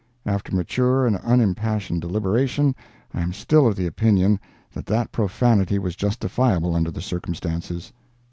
After mature and unimpassioned deliberation, I am still of the opinion that that profanity was justifiable under the circumstances.